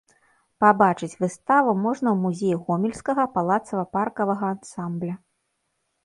Пабачыць выставу можна ў музеі гомельскага палацава-паркавага ансамбля.